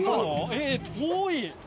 えっ遠い！